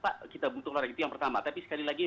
pak kita bentuk olahraga itu yang pertama tapi sekali lagi